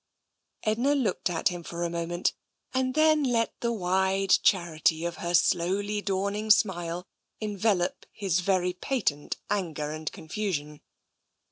Edna looked at him for a moment, and then let the wide charity of her slowly dawning smile envelop his very patent anger and confusion.